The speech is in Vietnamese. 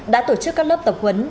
đã tổ chức các lớp tập huấn